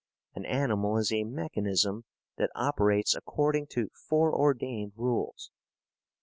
An animal is a mechanism that operates according to fore ordained rules.